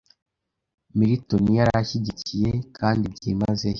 Milton yari ashyigikiye kandi byimazeyo